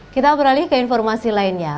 kita beralih ke informasi lainnya